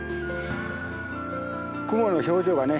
雲の表情がね